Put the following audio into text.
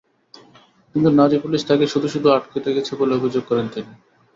কিন্তু নারী পুলিশ তাঁকে শুধু শুধু আটকে রেখেছে বলে অভিযোগ করেন তিনি।